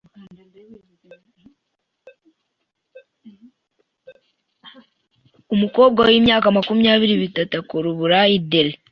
umukobwa w’imyaka makumyabiri bitatu akora uburaya i Delhi,